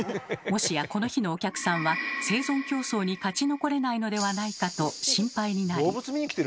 もしやこの日のお客さんは生存競争に勝ち残れないのではないかと心配になり。